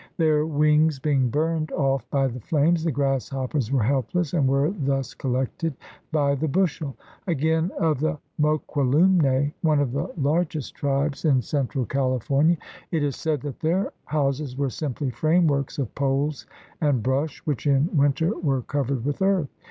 Their wings being burned off by the flames, the grasshoppers were helpless and were thus col lected by the bushel. Again of the Moquelumne, one of the largest tribes in central California, it is said that their houses were simply frameworks of poles and brush which in winter were covered with earth.